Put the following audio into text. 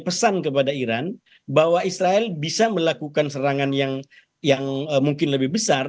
pesan kepada iran bahwa israel bisa melakukan serangan yang mungkin lebih besar